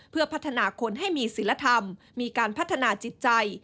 เพื่อพัฒนาคนให้มีศิลธรรมมีการพัฒนาจิตใจ